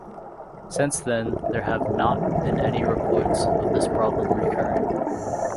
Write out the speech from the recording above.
Since then, there have not been any reports of this problem recurring.